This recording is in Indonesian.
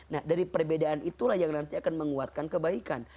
nah dari perbedaan itulah yang nanti akan menguatkan kebaikan